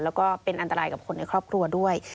แล้วก็เป็นอันตรายกับคนในครอบครัวด้วย